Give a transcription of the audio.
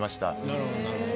なるほどなるほど。